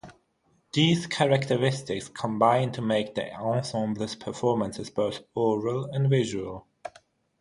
These characteristics combine to make the ensemble's performances both aural and visual.